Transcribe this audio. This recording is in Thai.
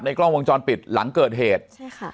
ในกล้องวงจรปิดหลังเกิดเหตุ